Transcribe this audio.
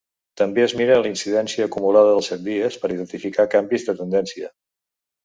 També es mira la incidència acumulada dels set dies per identificar canvis de tendència.